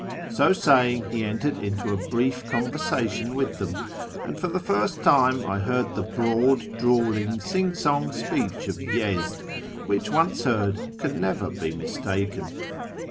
So saying, he entered into a brief conversation with them, and for the first time I heard the broad, drawling, sing song speech of Yezd, which once heard can never be mistaken.